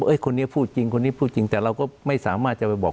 คนนี้พูดจริงคนนี้พูดจริงแต่เราก็ไม่สามารถจะไปบอก